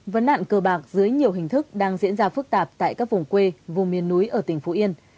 vấn nạn cờ bạc dưới nhiều hình thức đang diễn ra phức tạp tại các vùng quê vùng miền núi ở tỉnh phú yên